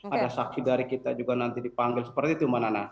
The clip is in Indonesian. ada saksi dari kita juga nanti dipanggil seperti itu mbak nana